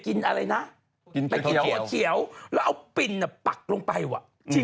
อันนั้นก็อีกเรื่องอยู่